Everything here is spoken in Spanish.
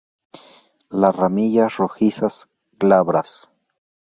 La ramillas rojizas, glabras.